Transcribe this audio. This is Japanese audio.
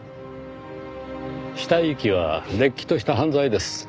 死体遺棄はれっきとした犯罪です。